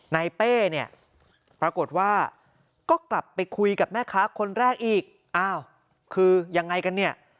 เป้เนี่ยปรากฏว่าก็กลับไปคุยกับแม่ค้าคนแรกอีกอ้าวคือยังไงกันเนี่ย